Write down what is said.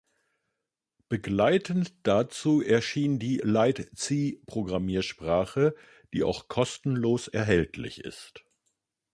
Begleitend dazu erschien die Lite-C-Programmiersprache, die auch kostenlos erhältlich ist.